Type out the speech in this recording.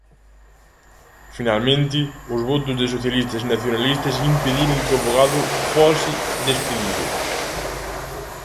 Finalmente, os votos de socialistas e nacionalistas impediron que o avogado fose despedido.